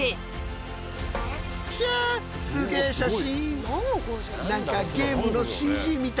ひゃすげえ写真！